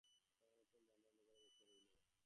হেম অনেকক্ষণ বারান্দার অন্ধকারে বসিয়া রহিল।